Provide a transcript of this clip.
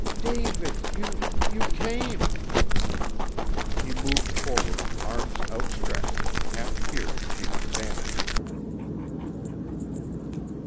"David. You you came!" He moved forward, arms outstretched, half fearing she would vanish.